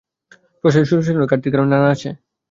প্রশাসনে সুশাসনের ঘাটতির নানা কারণ আছে।